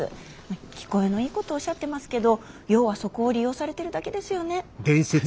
聞こえのいいことをおっしゃってますけど要はそこを利用されてるだけですよね？